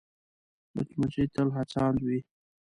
مچمچۍ تل هڅاند وي